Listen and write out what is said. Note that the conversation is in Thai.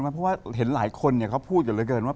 เพราะว่าเห็นหลายคนเนี่ยเขาพูดอยู่เลยเกินว่า